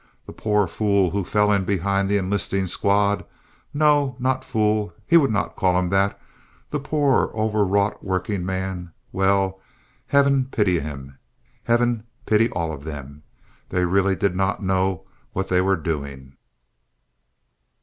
The poor fool who fell in behind the enlisting squad—no, not fool, he would not call him that—the poor overwrought working man—well, Heaven pity him! Heaven pity all of them! They really did not know what they were doing.